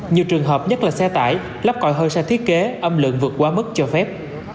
nhiều trường hợp nhất là xe tải lắp còi hơi xe thiết kế âm lượng vượt quá mức cho phép